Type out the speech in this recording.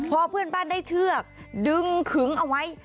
พอเพื่อนบ้านได้เชือกดึงขึงเอาไว้